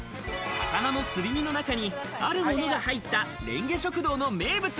魚のすり身の中にあるものが入った、れんげ食堂の名物。